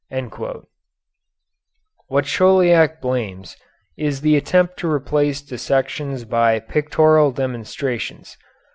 " What Chauliac blames is the attempt to replace dissections by pictorial demonstrations.